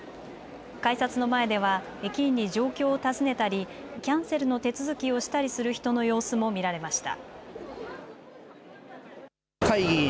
改札の前では駅員に状況を尋ねたりキャンセルの手続きをしたりする人の様子も見られました。